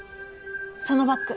そのバッグ